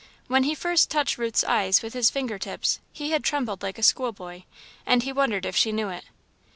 When he first touched Ruth's eyes with his finger tips, he had trembled like a schoolboy, and he wondered if she knew it.